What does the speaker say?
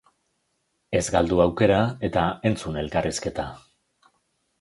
Ez galdu aukera eta entzun elkarrizketa.